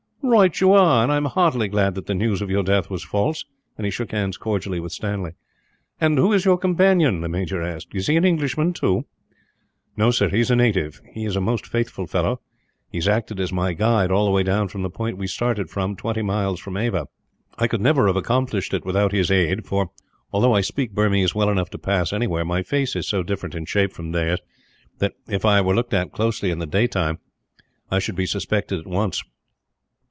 "Right you are; and I am heartily glad that the news of your death was false," and he shook hands cordially with Stanley. "And who is your companion?" the major asked. "Is he an Englishman, also?" "No, sir; he is a native. He is a most faithful fellow. He has acted as my guide, all the way down from the point we started from, twenty miles from Ava. I could never have accomplished it without his aid for, although I speak Burmese well enough to pass anywhere, my face is so different in shape from theirs that, if I were looked at closely in the daylight, I should be suspected at once.